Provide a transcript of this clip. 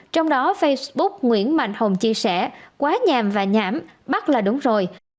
trong đó facebook nguyễn mạnh hồng chia sẻ quá nhảm và nhảm bắt là đúng rồi